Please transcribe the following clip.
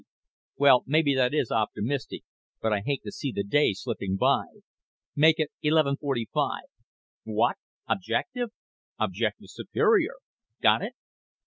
Well, maybe that is optimistic, but I hate to see the day slipping by. Make it eleven forty five. What? Objective? Objective Superior! Got it?